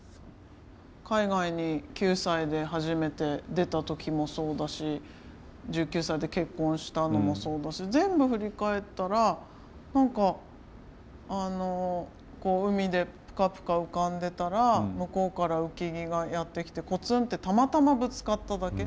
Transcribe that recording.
海外に９歳で初めて出た時もそうだし１９歳で結婚したのもそうだし全部振り返ったら何かあの海でプカプカ浮かんでたら向こうから浮き木がやって来てコツンってたまたまぶつかっただけ。